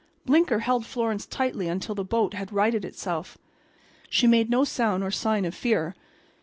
Blinker held Florence tightly until the boat had righted itself. She made no sound or sign of fear.